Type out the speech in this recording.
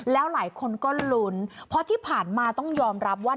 แล้วหลายคนก็ลุ้นเพราะที่ผ่านมาต้องยอมรับว่า